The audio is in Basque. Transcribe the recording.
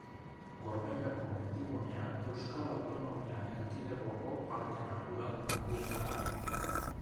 Gorbeiako mendigunea Euskal Autonomia Erkidegoko parke natural handiena da.